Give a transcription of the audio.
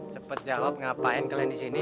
cepat jawab ngapain kalian disini